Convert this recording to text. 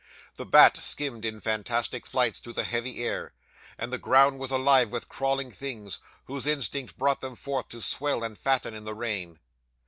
The bat skimmed in fantastic flights through the heavy air, and the ground was alive with crawling things, whose instinct brought them forth to swell and fatten in the rain.